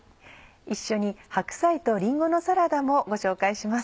一緒に「白菜とりんごのサラダ」もご紹介します。